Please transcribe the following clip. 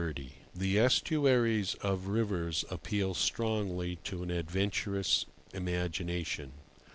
XXX. THE estuaries of rivers appeal strongly to an adventurous imagination.